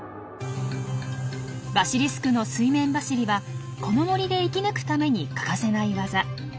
バシリスクの水面走りはこの森で生き抜くために欠かせない技。